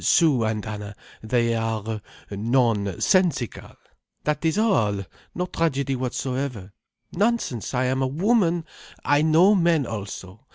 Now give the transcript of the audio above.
Sue and Anna, they are—non sensical. That is all. No tragedy whatsoever. Nonsense. I am a woman. I know men also.